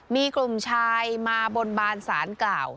มีกลุ่มชายมาบนบานสารกล่าว